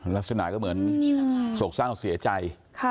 ลักษณะก็เหมือนโศกเศร้าเสียใจ